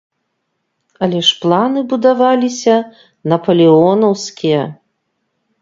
Але ж планы будаваліся напалеонаўскія.